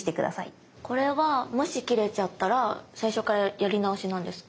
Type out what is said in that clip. これはもし切れちゃったら最初からやり直しなんですか？